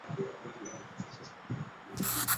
学院的主要资金来自于校友所捐赠。